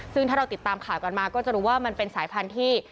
ซึ่งถ้าเราติดตามข่าวกันมาก็จะรู้ว่ามันเป็นสายพันธุ์ที่